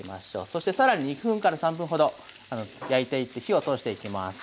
そして更に２３分ほど焼いていって火を通していきます。